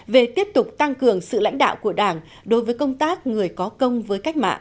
về tiếp tục tăng cường sự lãnh đạo của đảng đối với công tác người có công với cách mạng